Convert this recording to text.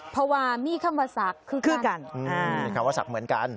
ภาวะมีคำศักดิ์คือกันมีคำว่าศักดิ์เหมือนกัน